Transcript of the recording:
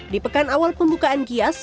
di pekan awal pembukaan gias